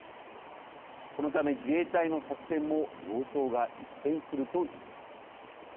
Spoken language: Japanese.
このため自衛隊の作戦も様相が一変すると言えます。